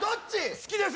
好きです！